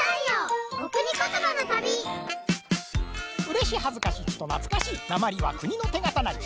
うれしはずかしちとなつかしいなまりは国のてがたなり。